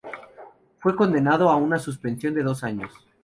Fue condenado a una suspensión de dos años.